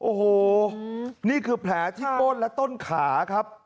โอ้โหนี่คือแผลที่ก้นและต้นขาครับ